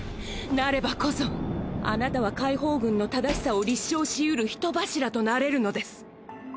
なればこそあなたは解放軍の正しさを立証しうる人柱となれるのです。